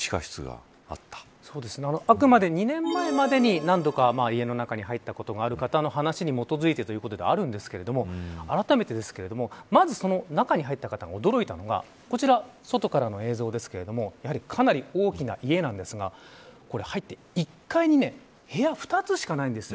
あくまで２年前までに何度か家の中に入ったことがある方の話に基づいてということでありますがあらためてですがまず中に入った方が驚いたのがこちら外からの映像ですけれどもかなり大きな家なんですが入って１階に部屋２つしかないんです。